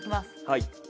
はい。